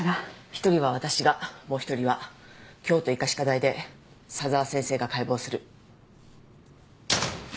１人は私がもう１人は京都医科歯科大で佐沢先生が解剖する。